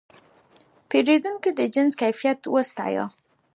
پیرودونکی د جنس کیفیت وستایه.